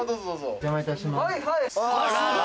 お邪魔いたします。